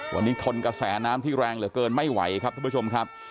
วันนี้ทนกระแสน้ำที่แรงเหลือเกินไม่ไหวครับท่านผู้ชมครับ